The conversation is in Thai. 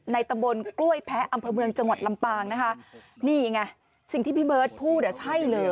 ตำบลกล้วยแพ้อำเภอเมืองจังหวัดลำปางนะคะนี่ไงสิ่งที่พี่เบิร์ตพูดอ่ะใช่เลย